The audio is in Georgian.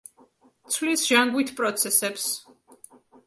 ცვლის ჟანგვით პროცესებს.